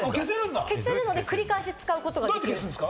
消せるので、繰り返し使うことができます。